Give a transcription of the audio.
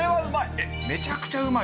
えっ、めちゃくちゃうまい。